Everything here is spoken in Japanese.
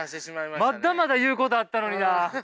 まだまだ言うことあったのにな。